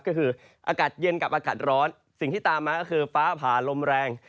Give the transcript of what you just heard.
ก็คืออากาศเย็นกับอากาศร้อนสิ่งที่ตามมาก็คือฟ้าผ่าลมแรง